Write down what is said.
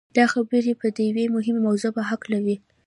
دا خبرې به د يوې مهمې موضوع په هکله وي.